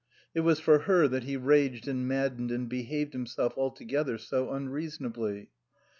It was for her that he raged and maddened and behaved himself altogether so unreasonably.